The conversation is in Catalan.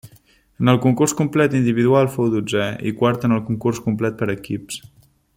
En el concurs complet individual fou dotzè i quart en el concurs complet per equips.